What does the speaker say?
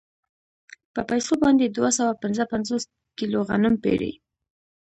په پیسو باندې دوه سوه پنځه پنځوس کیلو غنم پېري